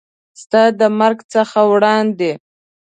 ستا د مرګ څخه وړاندې